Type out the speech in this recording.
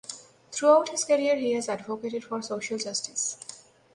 Throughout his career he has advocated for social justice.